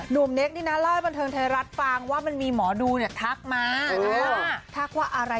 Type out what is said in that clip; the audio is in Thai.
นุ่มเน็กนี่นะเล่าให้บรรเทิงไทยรัฐฟังว่ามันมีหมอดูเนี่ยทักมา